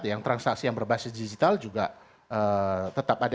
yang transaksi yang berbasis digital juga tetap ada